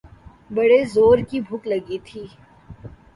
بڑے زورکی بھوک لگی تھی۔